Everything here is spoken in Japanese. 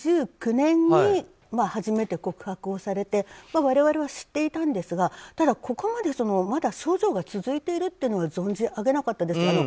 ２０１９年に初めて告白をされて我々は知っていたんですがただ、ここまで、まだ症状が続いているというのは存じ上げなかったです。